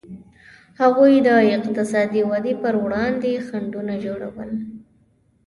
هغوی د اقتصادي ودې پر وړاندې خنډونه جوړول.